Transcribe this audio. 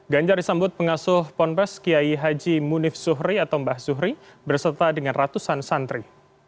ganjar disambut pengasuh ponpes kiai haji munif zuhri atau mbah zuhri berserta dengan ratusan santri